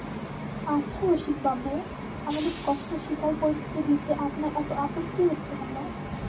আচ্ছা রসিকবাবু, আমাদের কষ্ট স্বীকার করতে দিতে আপনার এত আপত্তি হচ্ছে কেন?